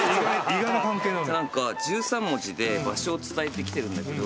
何か１３文字で場所を伝えてきてるんだけど。